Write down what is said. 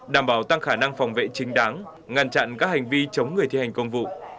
đảm bảo tăng khả năng phòng vệ chính đáng ngăn chặn các hành vi chống người thi hành công vụ